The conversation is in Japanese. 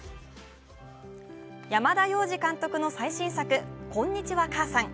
山田洋次監督の最新作「こんにちは、母さん」。